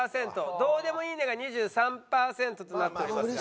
「どーでもいいね」が２３パーセントとなっておりますが。